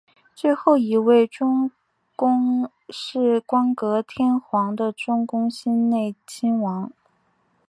最后一位中宫是光格天皇的中宫欣子内亲王。